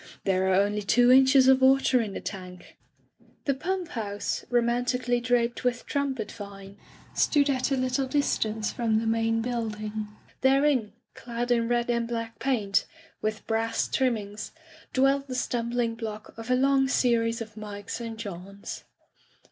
"There are only two inches of water in the tank/' The pump house, romantically draped with trumpet vine, stood at a little distance from the main building. Therein, clad in red and black paint, with brass trimmings, dwelt the stumbling block of a long series of Mikes and Johns.